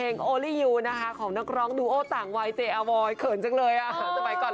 นี่ยังเด็กตั้งแต่ไหน